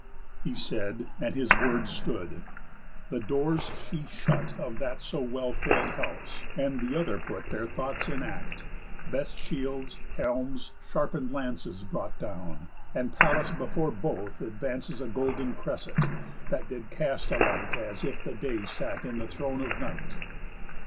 He said, and his words stood. The doors she shut Of that so well fill'd house. And th' other put Their thoughts in act; best shields, helms, sharpen'd lances, Brought down; and Pallas before both advances A golden cresset, that did cast a light As if the Day sat in the throne of Night.